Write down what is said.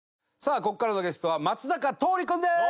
ここからのゲストは松坂桃李君です！